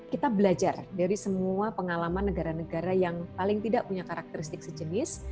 kita belajar dari semua pengalaman negara negara yang paling tidak punya karakteristik sejenis